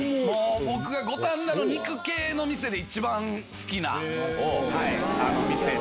五反田の肉系の店で一番好きな店で。